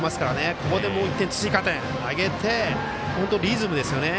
ここでもう１点、追加点を挙げて本当リズムですよね。